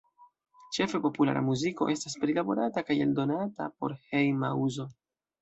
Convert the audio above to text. Ĉefe populara muziko estas prilaborata kaj eldonata por hejma uzo.